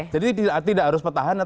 jadi tidak harus pertahanan